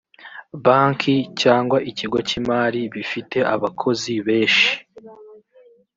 banki cyangwa ikigo cy ‘imari bifite abakozi beshi.